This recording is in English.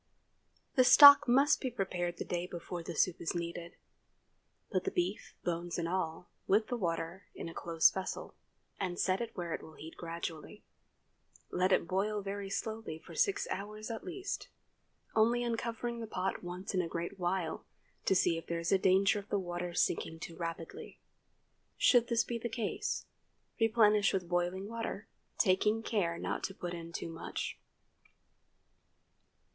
The stock must be prepared the day before the soup is needed. Put the beef, bones and all, with the water in a close vessel, and set it where it will heat gradually. Let it boil very slowly for six hours at least, only uncovering the pot once in a great while to see if there is danger of the water sinking too rapidly. Should this be the case, replenish with boiling water, taking care not to put in too much.